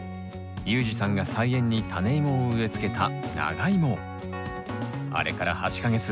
ユージさんが菜園にタネイモを植えつけたあれから８か月。